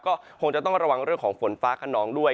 ก็คงจะต้องระวังเรื่องของฝนฟ้าขนองด้วย